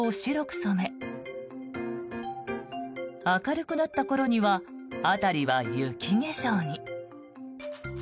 染め明るくなった頃には辺りは雪化粧に。